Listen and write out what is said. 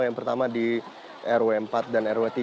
yang pertama di rw empat dan rw tiga